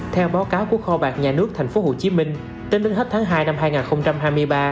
theo báo cáo của kho bạc nhà nước tp hcm tính đến hết tháng hai năm hai nghìn hai mươi ba